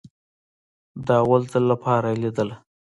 د اول ځل لپاره يې ليدله.